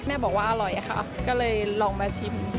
บอกว่าอร่อยค่ะก็เลยลองมาชิม